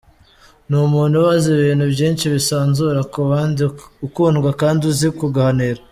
Ni umuntu ubaza ibintu byinshi, wisanzura ku bandi, ukundwa kandi uzi kuganira.